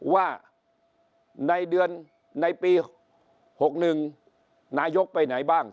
ว่าในเดือนในปี๖๑นายกไปไหนบ้าง